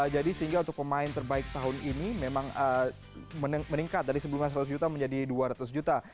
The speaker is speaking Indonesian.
jadi sehingga untuk pemain terbaik tahun ini memang meningkat dari sebelumnya seratus juta menjadi dua ratus juta